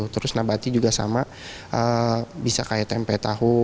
terus nabati juga sama bisa kayak tempe tahu